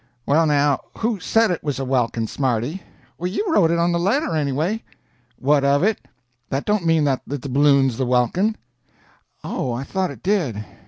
"Well, now, who said it was a welkin, smarty?" "You've wrote it on the letter, anyway." "What of it? That don't mean that the balloon's the welkin." "Oh, I thought it did.